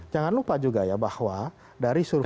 jangan lupa juga ya bahwa dari survei